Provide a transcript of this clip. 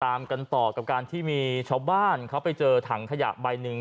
ตามกันต่อกับการที่มีชาวบ้านเขาไปเจอถังขยะใบหนึ่ง